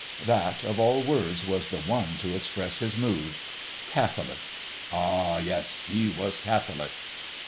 That, of all words, was the one to express his mood. Catholic, ah, yes, he was catholic!